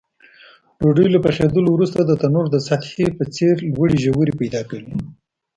ډوډۍ له پخېدلو وروسته د تنور د سطحې په څېر لوړې ژورې پیدا کوي.